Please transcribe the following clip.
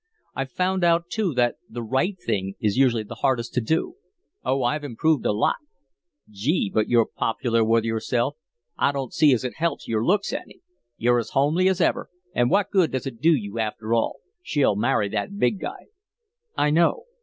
I've found out, too, that the right thing is usually the hardest to do. Oh, I've improved a lot." "Gee! but you're popular with yourself. I don't see as it helps your looks any. You're as homely as ever an' what good does it do you after all? She'll marry that big guy." "I know.